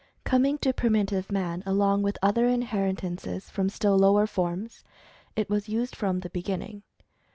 Coming to primitive man along with other inheritances from still lower forms, it was used from the beginning.